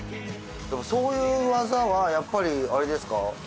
そういう技はやっぱりあれですか？